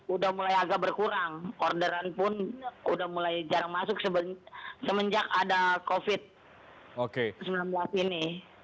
udah mulai agak berkurang orderan pun udah mulai jarang masuk semenjak ada covid sembilan belas ini